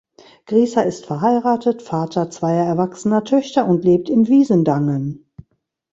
Griesser ist verheiratet, Vater zweier erwachsener Töchter und lebt in Wiesendangen.